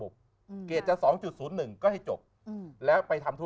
เข้าใจไหม